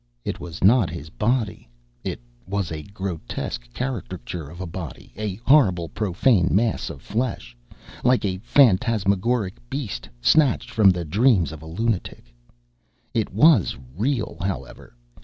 It was not his body! It was a grotesque caricature of a body, a horrible profane mass of flesh, like a phantasmagoric beast snatched from the dreams of a lunatic. It was real, however.